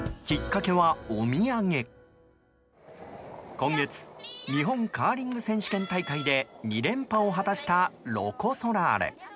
今月日本カーリング選手権大会で２連覇を果たしたロコ・ソラーレ。